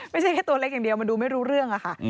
ไม่ใช่แค่ตัวเล็กอย่างเดียวมันดูไม่รู้เรื่องอะค่ะ